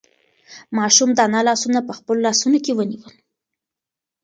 ماشوم د انا لاسونه په خپلو لاسو کې ونیول.